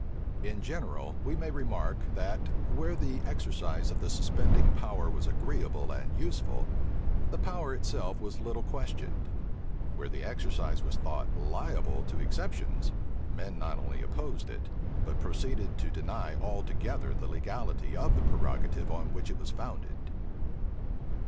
In general, we may remark that, where the exercise of the suspending power was agreeable and useful, the power itself was little questioned: where the exercise was thought liable to exceptions, men not only opposed it, but proceeded to deny altogether the legality of the prerogative on which it was founded.